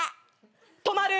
止まる。